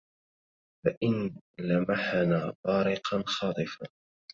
فإِن لَمحنا بارقاً خاطفا